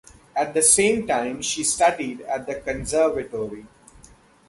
At the same time she studied at the Conservatoire.